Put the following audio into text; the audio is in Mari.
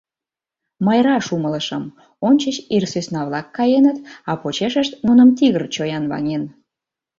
Мый раш умылышым: ончыч ир сӧсна-влак каеныт, а почешышт нуным тигр чоян ваҥен.